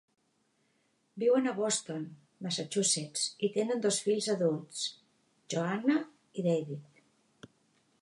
Viuen a Boston, Massachusetts, i tenen dos fills adults, Joanna i David.